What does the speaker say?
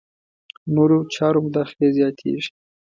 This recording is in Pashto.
نورو چارو مداخلې زیاتېږي.